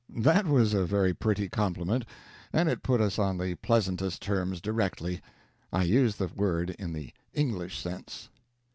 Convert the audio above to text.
That was a very pretty compliment, and it put us on the pleasantest terms directly I use the word in the English sense.